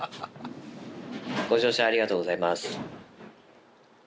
ご乗車ありがとうございます。